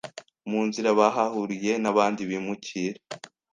Mu nzira, bahahuriye n’abandi bimukira